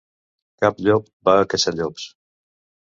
Cap llop va a caçar llops.